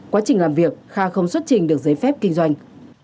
quá trình làm việc kha không xuất trình được giấy phép kinh doanh